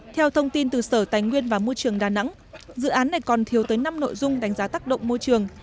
theo thông tin từ sở tài nguyên và môi trường đà nẵng dự án này còn thiếu tới năm nội dung đánh giá tác động môi trường